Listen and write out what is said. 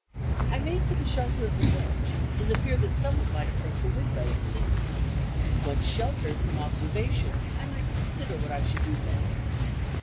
I made for the shelter of the hedge, in the fear that some one might approach a window and see me. Once sheltered from observation, I might consider what I should do next.